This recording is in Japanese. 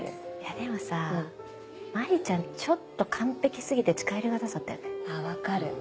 でもさ真里ちゃんちょっと完璧過ぎて近寄りがたさあったよね。